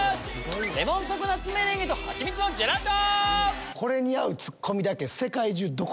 レモンココナッツメレンゲと蜂蜜のジェラート！